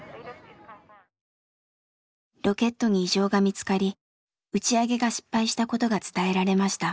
ロケットに異常が見つかり打ち上げが失敗したことが伝えられました。